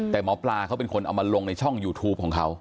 แต่หมอปลาเขาเป็นคนเอามาลงในช่องยูทูปของเขา